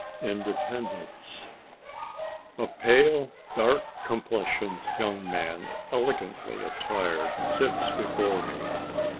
INDEPENDENCE A pale, dark complexioned young man, elegantly attired, sits before me.